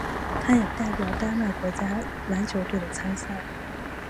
他也代表丹麦国家篮球队参赛。